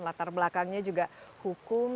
latar belakangnya juga hukum